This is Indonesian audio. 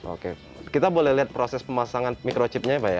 oke kita boleh lihat proses pemasangan microchipnya ya pak ya